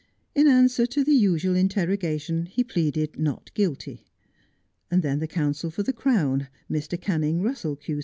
In answer to the usual interrogation he pleaded not guilty. And then the counsel for the Crown, Mr. Canning Russell, Q.C.